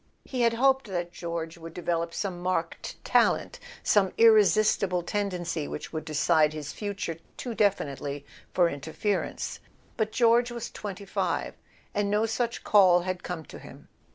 He had hoped that George would develop some marked talent, some irresistible tendency which would decide his future too definitely for interference; but George was twenty five, and no such call had come to him.